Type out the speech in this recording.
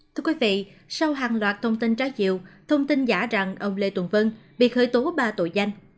thưa quý vị sau hàng loạt thông tin trái chiều thông tin giả rằng ông lê tùng vân bị khởi tố ba tội danh